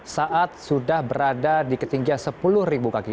saat sudah berada di ketinggian sepuluh kaki